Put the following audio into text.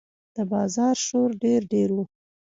د بازار شور ډېر ډېر و.